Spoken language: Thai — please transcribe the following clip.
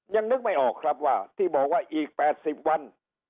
ยังนึกไม่ออกครับว่าที่บอกว่าอีก๘๐วัน